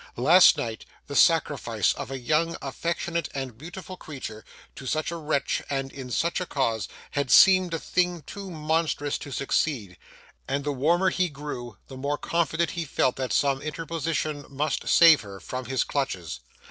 Last night, the sacrifice of a young, affectionate, and beautiful creature, to such a wretch, and in such a cause, had seemed a thing too monstrous to succeed; and the warmer he grew, the more confident he felt that some interposition must save her from his clutches.